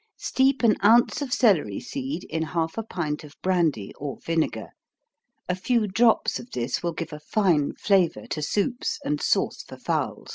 _ Steep an ounce of celery seed in half a pint of brandy, or vinegar. A few drops of this will give a fine flavor to soups, and sauce for fowls.